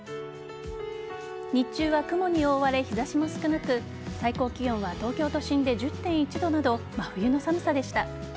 日中は雲に覆われ、日差しも少なく最高気温は東京都心で１０．１度など真冬の寒さでした。